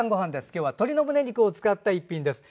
今日は鶏のむね肉を使った１品です。